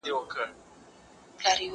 زه اوږده وخت سبزېجات جمع کوم.